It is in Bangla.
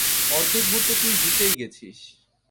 অর্ধেক ভোট তো তুই জিতেই গেছিস।